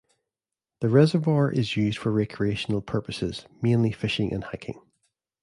The reservoir is used for recreational purposes; mainly fishing and hiking.